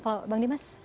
kalau bang dimas